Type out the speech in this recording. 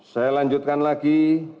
saya lanjutkan lagi